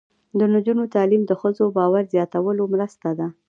د نجونو تعلیم د ښځو باور زیاتولو مرسته ده.